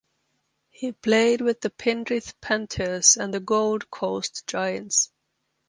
He played with the Penrith Panthers and the Gold Coast Giants.